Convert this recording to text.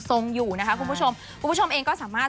ส่งมาให้โอโนเฟอร์เรเวอร์